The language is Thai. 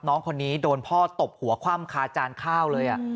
น้องคนนี้โดนพ่อตบหัวคว่ำคาจานข้าวเลย